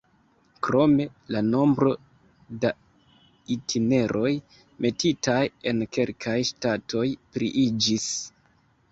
Krome, la nombro da itineroj metitaj en kelkaj ŝtatoj pliiĝis.